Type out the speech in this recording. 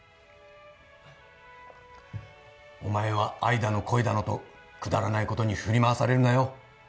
お前は愛だの恋だのとくだらない事に振り回されるなよ。